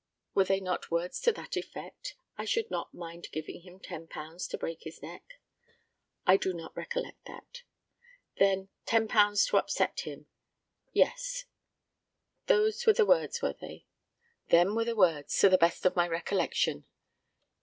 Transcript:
Were they not words to that effect, 'I should not mind giving him £10 to break his neck?' I do not recollect that. Then '£10 to upset him?' Yes. Those were the words, were they? Them were the words, to the best of my recollection.